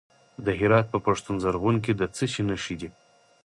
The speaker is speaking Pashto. د هرات په پښتون زرغون کې د څه شي نښې دي؟